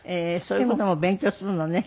そういう事も勉強するのね。